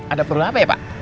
ada peluru apa ya pak